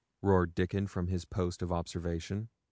roared Dickon, from his post of observation.